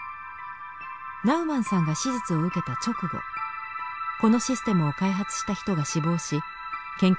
ナウマンさんが手術を受けた直後このシステムを開発した人が死亡し研究が中断しました。